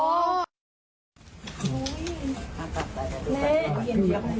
นี่นะคะ